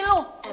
ini rumah sakit